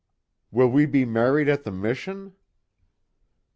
"Will we be married at the mission?"